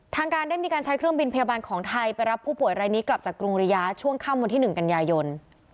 ทางการได้มีการใช้เครื่องบินพยาบาลของไทยไปรับผู้ป่วยรายนี้กลับจากกรุงริยาช่วงค่ำวันที่๑กันยายน